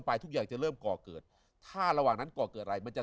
ทุกอย่างจะเริ่มก่อเกิดถ้าระหว่างนั้นก่อเกิดอะไรมันจะ